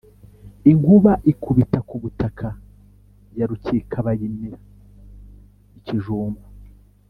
Inkuba ikubita ku butaka ya Rukikabayimira-Ikijumba.